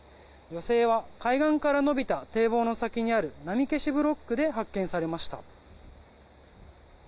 女性は、海岸からのびた堤防の先にある波消しブロックで発見されました。